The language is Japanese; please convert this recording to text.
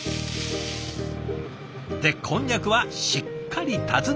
でこんにゃくはしっかり手綱結びに。